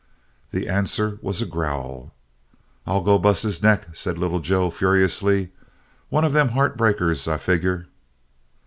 The answer was a growl. "I'll go bust his neck," said Little Joe furiously. "One of them heart breakers, I figure."